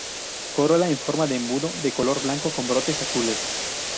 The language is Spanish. Corola en forma de embudo, de color blanco con bordes azules.